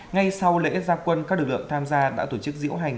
ngay sau lễ gia quân các lực lượng tham gia đã tổ chức diễu hành